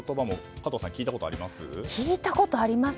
加藤さん、聞いたことあります？